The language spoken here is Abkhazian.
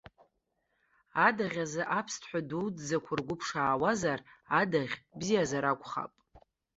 Адаӷь азы аԥсҭҳәа дуӡӡақәа ргәы ԥшаауазар, адаӷь бзиазар акәхап.